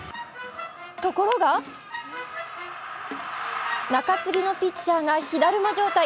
ところが中継ぎのピッチャーが火だるま状態。